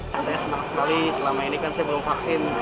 rasanya senang sekali selama ini kan saya belum vaksin